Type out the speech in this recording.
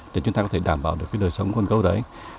để chúng ta có thể đảm bảo được cái đời sống con gấu đấy